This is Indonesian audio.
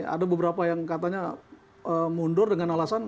ada beberapa yang katanya mundur dengan alasan